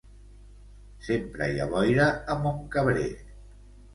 Sempre hi ha boira a Montcabrer.